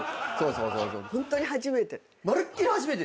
ホントに初めて。